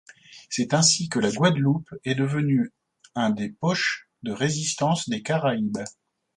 C'est ainsi que la Guadeloupe est devenu un des poches de résistance des Caraïbes.